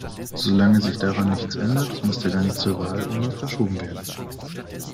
Solange sich daran nichts ändert, muss der Gang zur Wahlurne verschoben werden.